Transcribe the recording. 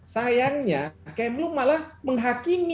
sayangnya kmu malah menghakimi